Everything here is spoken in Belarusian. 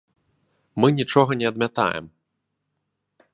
Мы нічога не адмятаем.